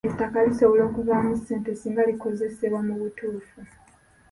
Ettaka lisobola okuvaamu ssente singa likozesebwa mu butuufu.